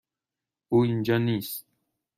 او اینجا نیست.